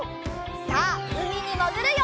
さあうみにもぐるよ！